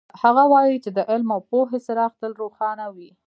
هغه وایي چې د علم او پوهې څراغ تل روښانه وي